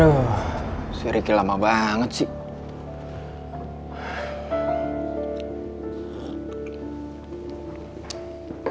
aduh si ricky lama banget sih